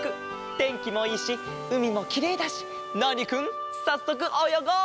てんきもいいしうみもきれいだしナーニくんさっそくおよごう！